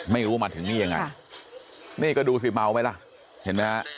ไม่รู้มาถึงนี่ยังไงนี่ก็ดูสิเมาไหมล่ะเห็นไหมฮะ